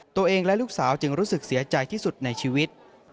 ตัวเองและลูกสาวจึงรู้สึกเสียใจที่สุดในชีวิต